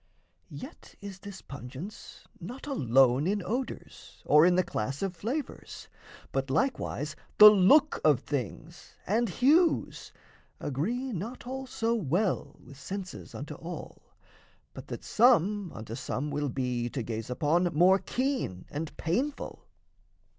Yet is this pungence not alone in odours Or in the class of flavours; but, likewise, The look of things and hues agree not all So well with senses unto all, but that Some unto some will be, to gaze upon, More keen and painful.